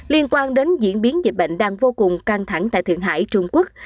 liên quan đến diễn biến dịch bệnh đang vô cùng căng thẳng tại thượng hải trung quốc